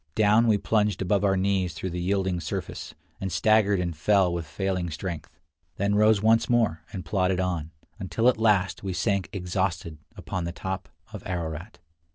Down we plunged above our knees through the yielding surface, and staggered and fell with failing strength; then rose once more and plodded on, until at last we sank exhausted upon the top of Ararat.